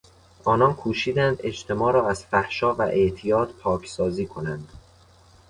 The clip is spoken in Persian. آنان کوشیدند اجتماع را از فحشا و اعتیاد پاکسازی کنند.